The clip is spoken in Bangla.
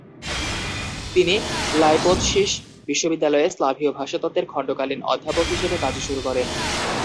তিনি লাইপ্ৎসিশ বিশ্ববিদ্যালয়ে স্লাভীয় ভাষাতত্ত্বের খণ্ডকালীন অধ্যাপক হিসেবে কাজ শুরু করেন।